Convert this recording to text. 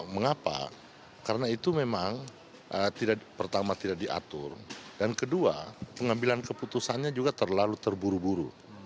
mengapa karena itu memang pertama tidak diatur dan kedua pengambilan keputusannya juga terlalu terburu buru